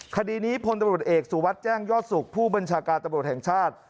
คดีนี้พลตะบดเอกสู่วัดแจ้งยอดศุกร์ผู้บัญชาการตะบดแห่งชาติ